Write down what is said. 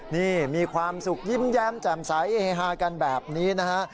นี่มีความสุขยิ้มแย้มแจ่มใสเฮฮากันแบบนี้นะฮะ